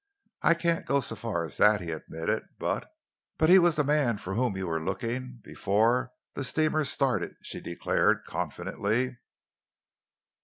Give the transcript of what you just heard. "I can't go so far as that," he admitted, "but " "But he was the man for whom you were looking before the steamer started," she declared confidently.